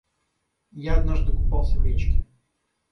Я однажды купался в речке.